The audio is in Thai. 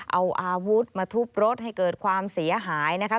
เอาอาวุธมาทุบรถให้เกิดความเสียหายนะคะ